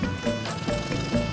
ih aku kan belum naik